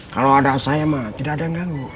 kalau ada saya mah tidak ada yang ganggu